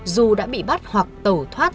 dù đã bị bắt hoặc tẩu thoát